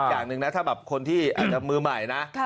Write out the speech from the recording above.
อย่างหนึ่งนะถ้าแบบคนที่อาจจะมือใหม่นะ